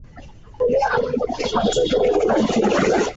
বলিয়া আনন্দময়ী হাত জোড় করিয়া প্রণাম করিলেন।